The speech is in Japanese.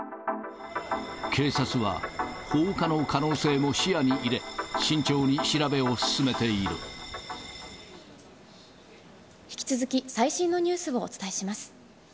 警察は、放火の可能性も視野に入れ、引き続き、最新のニュースをお伝えします。